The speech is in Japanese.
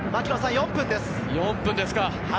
４分ですか。